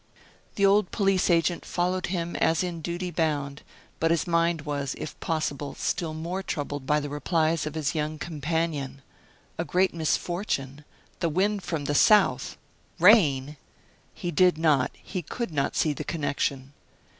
The old police agent followed him as in duty bound; but his mind was, if possible, still more troubled by the replies of his young companion. A great misfortune! The wind from the south! Rain! He did not, he could not see the connection.